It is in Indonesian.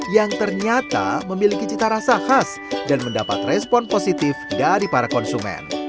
yang ternyata memiliki cita rasa khas dan mendapat respon positif dari para konsumen